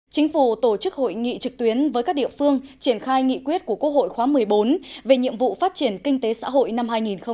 chính phủ tổ chức hội nghị trực tuyến với các địa phương triển khai nghị quyết của quốc hội khóa một mươi bốn về nhiệm vụ phát triển kinh tế xã hội năm hai nghìn hai mươi